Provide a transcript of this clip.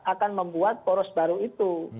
akan membuat poros baru itu